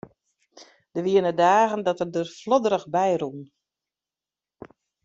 Der wiene dagen dat er der flodderich by rûn.